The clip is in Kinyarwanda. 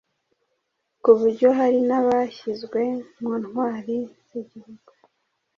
ku buryo hari n’abashyizwe mu ntwari z’Igihugu.